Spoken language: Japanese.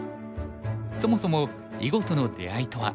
そもそも囲碁との出会いとは。